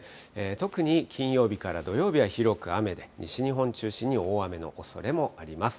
特に金曜日から土曜日は広く雨で、西日本中心に大雨のおそれもあります。